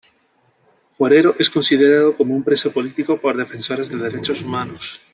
Forero es considerado como un preso político por defensores de derechos humanos.